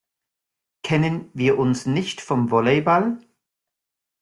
Kennen wir uns nicht vom Volleyball?